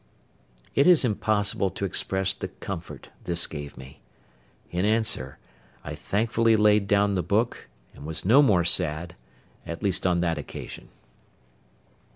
It is impossible to express the comfort this gave me. In answer, I thankfully laid down the book, and was no more sad, at least on that occasion.